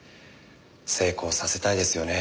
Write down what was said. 成功させたいですよね。